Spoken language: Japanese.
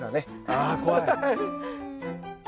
ああ怖い。